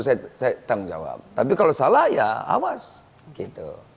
saya tanggung jawab tapi kalau salah ya awas gitu oke pak ini kan pada saat bapak menjabat